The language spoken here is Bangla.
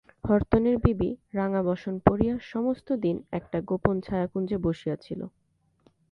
হরতনের বিবি রাঙা বসন পরিয়া সমস্তদিন একটা গোপন ছায়াকুঞ্জে বসিয়া ছিল।